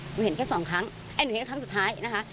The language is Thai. หนูเห็นแค่๒ครั้งหนูเห็นอีกครั้งสุดท้ายนะคะ